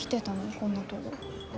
こんなとご。